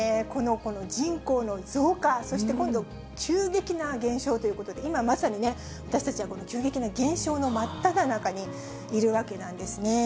この人口の増加、そして今度、急激な減少ということで、今、まさにね、私たちはこの急激な減少の真っただ中にいるわけなんですね。